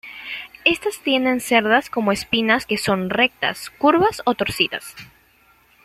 Estás tiene cerdas como espinas que son rectas, curvas o torcidas.